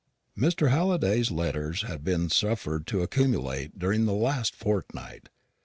Mr. Halliday's letters had been suffered to accumulate during the last fortnight.